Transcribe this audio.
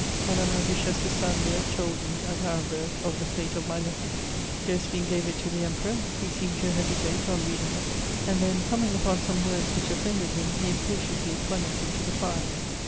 Madame la Duchesse de Saint Leu told me, at Arenberg, of the fate of my letter: Joséphine gave it to the Emperor; he seemed to hesitate, on reading it; and then, coming upon some words which offended him, he impatiently flung it into the fire.